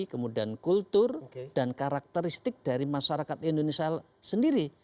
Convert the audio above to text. kemudian kultur dan karakteristik dari masyarakat indonesia sendiri